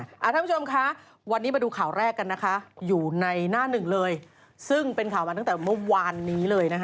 คุณผู้ชมคะวันนี้มาดูข่าวแรกกันนะคะอยู่ในหน้าหนึ่งเลยซึ่งเป็นข่าวมาตั้งแต่เมื่อวานนี้เลยนะคะ